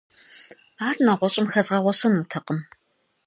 Ар нэгъуэщӀым хэзгъэгъуэщэнутэкъым.